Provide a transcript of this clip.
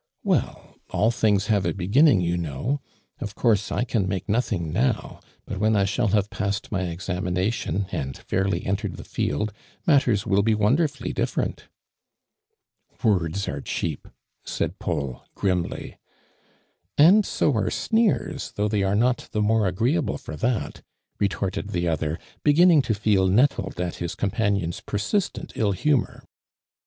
"Well, all things have a beginning you know. Of course, I can make nothing now, but when I shall have passed my exa mination, and fairly entered the tieUl. mat teitj will be wonderfully <lifterent." "Words are cheap t" said Paul, grimly. "And BO are sneers, though they are not the more agreeable for that I' ' retorted the other, beginning to feel nettled at his com panion's persistent ill humor.